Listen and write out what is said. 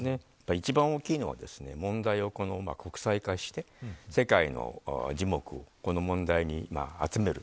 一番大きいのは問題を国際化世界の注目をこの問題に集める。